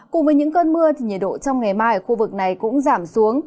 cùng với những cơn mưa thì nhiệt độ trong ngày mai ở khu vực này cũng giảm xuống